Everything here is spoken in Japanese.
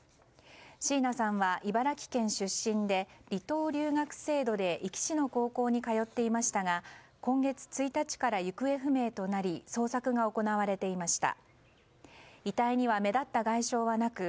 椎名さんは茨城県出身で離島留学制度で壱岐市の高校に通っていましたが今月１日から行方不明となり捜索が行われていました。